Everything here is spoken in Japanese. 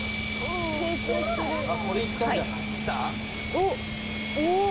おっお。